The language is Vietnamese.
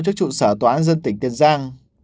trước trụ sở tòa án dân tỉnh tiền giang